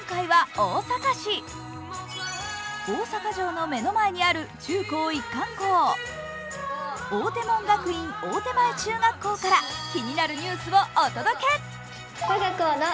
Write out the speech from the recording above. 大阪城の目の前にある中高一貫校、追手門学院大手前中学校から気になるニュースをお届け。